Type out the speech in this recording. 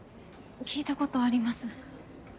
聞いたことあります。